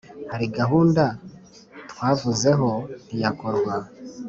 hari gahunda twavuzeho ntiyakorwa